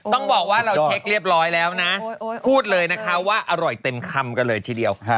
ต้องบอกว่าเราเช็คเรียบร้อยแล้วนะพูดเลยนะคะว่าอร่อยเต็มคำกันเลยทีเดียว